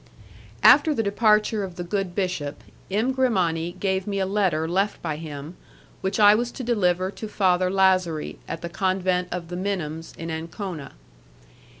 After the departure of the good bishop, M. Grimani gave me a letter left by him, which I was to deliver to Father Lazari, at the Convent of the Minims, in Ancona.